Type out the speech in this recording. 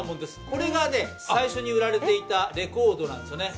これが最初に売られていたレコードなんですね。